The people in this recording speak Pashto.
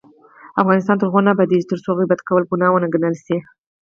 افغانستان تر هغو نه ابادیږي، ترڅو غیبت کول ګناه وګڼل شي.